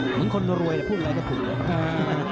เหมือนคนรวยแต่พูดอะไรก็ถูกเลย